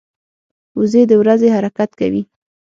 وزې د ورځي حرکت کوي